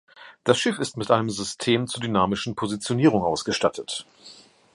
Das Schiff ist mit einem System zur dynamischen Positionierung ausgestattet.